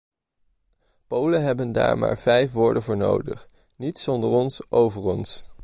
Polen hebben daar maar vijf woorden voor nodig: niets zonder ons over ons!